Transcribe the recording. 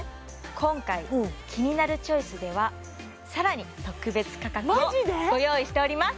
今回「キニナルチョイス」ではさらに特別価格をご用意しております！